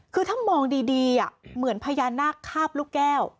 คือถ้ามองดีเหมือนพญานาคคาบลูกแก้ว